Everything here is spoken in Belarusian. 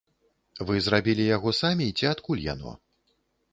Вы зрабілі яго самі ці адкуль яно?